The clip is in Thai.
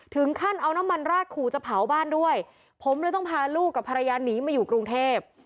ถึงขั้นเอาน้ำมันราดขู่จะเผาบ้านด้วยผมเลยต้องพาลูกกับภรรยาหนีมาอยู่กรุงเทพ